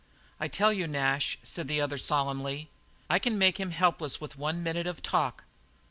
"I tell you, Nash," said the other solemnly, "I can make him helpless with one minute of talk.